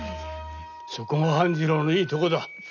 そこが半次郎のいいとこだ。